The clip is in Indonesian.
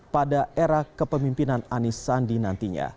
pada era kepemimpinan anis sandiaga